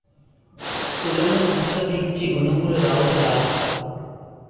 కులము ననుసరించి గుణములు రావురా